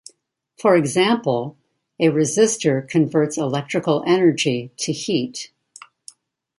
For example, a resistor converts electrical energy to heat.